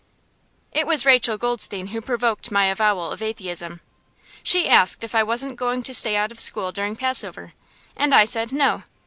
It was Rachel Goldstein who provoked my avowal of atheism. She asked if I wasn't going to stay out of school during Passover, and I said no.